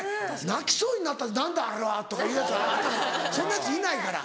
「『泣きそうになった』って何だあれは？」とか言うヤツはそんなヤツいないから。